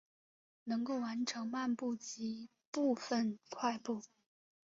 能够完成漫步及部份快步。